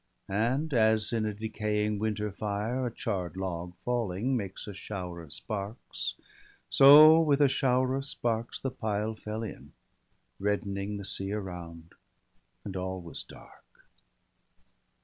And as, in a decaying winter fire, A charr'd log, falling, makes a shower of sparks — So with a shower of sparks the pile fell in. Reddening the sea around; and all was dark.